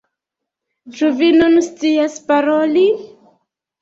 Ĉu vi nun scias paroli?